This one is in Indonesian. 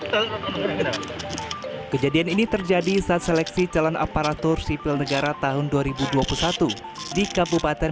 hai kejadian ini terjadi saat seleksi calon aparatur sipil negara tahun dua ribu dua puluh satu di kabupaten